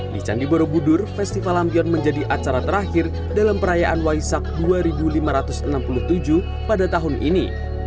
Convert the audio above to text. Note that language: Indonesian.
di candi borobudur festival lampion menjadi acara terakhir dalam perayaan waisak dua ribu lima ratus enam puluh tujuh pada tahun ini